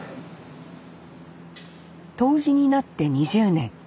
杜氏になって２０年。